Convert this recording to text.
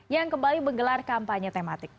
yang kembali menggelar kampanye tematik